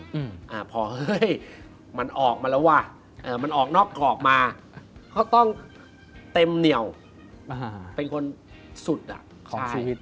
แต่พอมันออกมาแล้วว่ะมันออกนอกกรอบมาก็ต้องเต็มเหนียวเป็นคนสุดอ่ะ